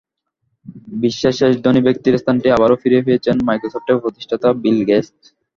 বিশ্বের শীর্ষ ধনী ব্যক্তির স্থানটি আবারও ফিরে পেয়েছেন মাইক্রোসফটের প্রতিষ্ঠাতা বিল গেটস।